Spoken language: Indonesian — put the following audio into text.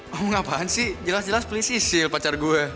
ngomong apaan sih jelas jelas pilih sisil pacar gue